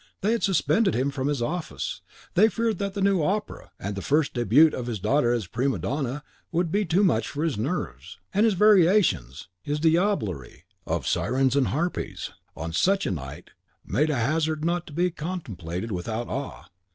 They had suspended him from his office, they feared that the new opera, and the first debut of his daughter as prima donna, would be too much for his nerves. And his variations, his diablerie of sirens and harpies, on such a night, made a hazard not to be contemplated without awe.